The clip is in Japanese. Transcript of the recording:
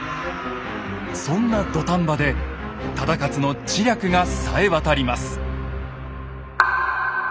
そんな土壇場で忠勝の知略がさえわたります。